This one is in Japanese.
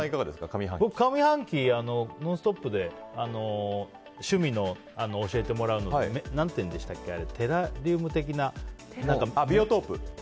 僕、上半期「ノンストップ！」で趣味の教えてもらうやつの何でしたっけテラリウム的な。